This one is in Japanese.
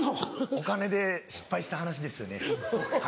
お金で失敗した話ですよね。